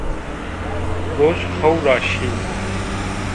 Roj xow ra şî